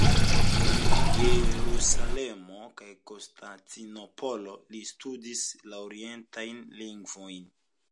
En Jerusalemo kaj Konstantinopolo li studis la orientajn lingvojn.